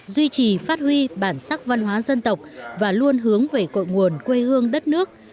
duy trì phát huy bản sắc văn hóa dân tộc và luôn hướng về cội nguồn quê hương đất nước